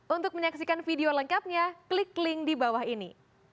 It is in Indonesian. untuk menyaksikan video lengkapnya klik link di bawah ini